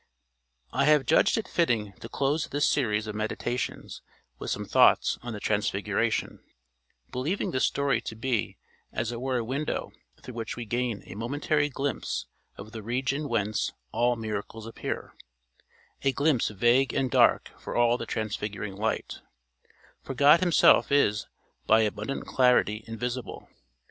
I have judged it fitting to close this series of meditations with some thoughts on the Transfiguration, believing the story to be as it were a window through which we gain a momentary glimpse of the region whence all miracles appear a glimpse vague and dark for all the transfiguring light, for God himself is "by abundant clarity invisible."